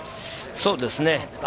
そうですね。